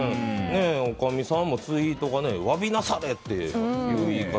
おかみさんもツイートが詫びなされ！っていう言い方。